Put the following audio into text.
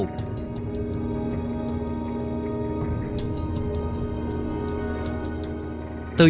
từ những đỉnh trên